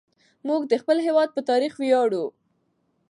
موږ د خپل هېواد په تاريخ وياړو.